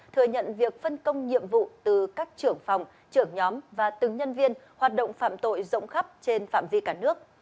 thừa nhận việc phân công nhiệm vụ từ các trưởng phòng trưởng nhóm và từng nhân viên hoạt động phạm tội rộng khắp trên phạm vi cả nước